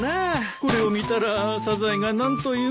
これを見たらサザエが何と言うか。